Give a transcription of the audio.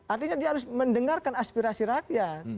artinya dia harus mendengarkan aspirasi rakyat